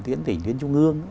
tiến tỉnh tiến trung ương